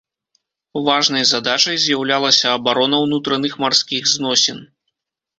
Важнай задачай з'яўлялася абарона ўнутраных марскіх зносін.